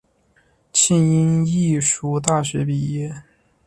庆应义塾大学毕业。